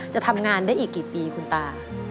จะทำงานได้อีกกี่ปีคุณตา